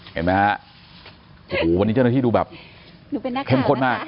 เห็นมั้ยฮะโหวันนี้เจ้าหน้าที่ดูแบบเห็นคนมาก